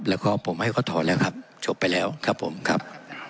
แล้วก็ผมให้เขาถอนแล้วครับจบไปแล้วครับผมครับ